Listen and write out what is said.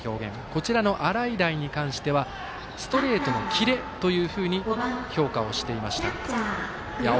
こちらの洗平に関してはストレートのキレというふうに評価をしていました。